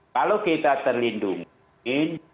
kalau kita terlindungi